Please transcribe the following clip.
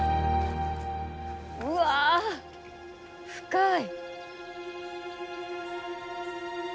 うわ深い。